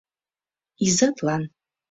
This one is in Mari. Изатлан